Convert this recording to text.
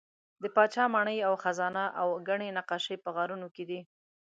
د پاچا ماڼۍ او خزانه او ګڼې نقاشۍ په غارونو کې دي.